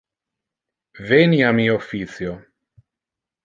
Veni a mi officio.